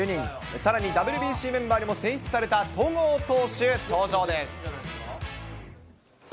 さらにＷＢＣメンバーにも選出された戸郷投手登場です。